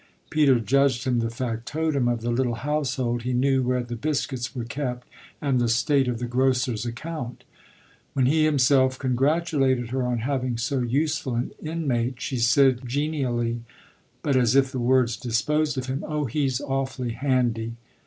Peter judged him the factotum of the little household: he knew where the biscuits were kept and the state of the grocer's account. When he himself congratulated her on having so useful an inmate she said genially, but as if the words disposed of him, "Oh he's awfully handy."